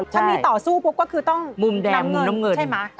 ถ้ามีต่อสู้ปุ๊บก็คือต้องน้ำเงิน